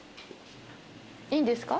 いいんですか？